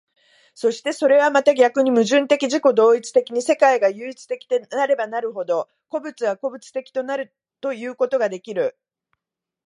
そしてそれはまた逆に矛盾的自己同一的に世界が唯一的なればなるほど、個物は個物的となるということができる。